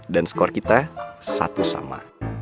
dan skor kita satu sama